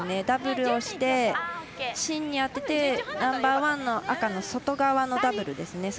ダブルをして、芯に当ててナンバーワンの赤の外側のダブルですね。